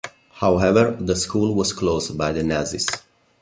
However the school was closed by the Nazis.